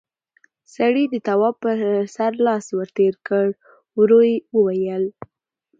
سړي د تواب پر سر لاس ور تېر کړ، ورو يې وويل: